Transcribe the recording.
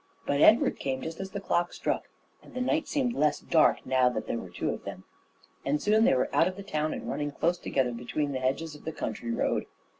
But Edward came just as the clock struck, and the night seemed less dark now that there were two of them, and soon they were out of the town and running close together between the hedges of the country road.